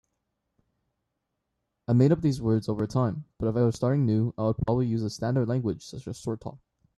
I made these words up over time, but if I were starting new I would probably use a standard language such as Short Talk.